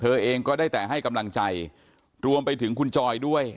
เองก็ได้แต่ให้กำลังใจรวมไปถึงคุณจอยด้วย